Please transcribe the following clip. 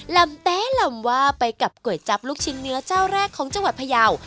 ลำเต๊ลำว่าไปกับก๋วยจับลูกชิ้นเนื้อเจ้าแรกของจังหวัดพยาว